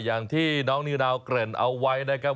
อย่างที่น้องนิวนาวเกริ่นเอาไว้นะครับ